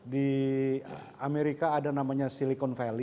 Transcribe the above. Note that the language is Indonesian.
di amerika ada namanya silicon valley